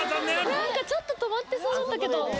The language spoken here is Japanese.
何かちょっと止まってそうだったけど。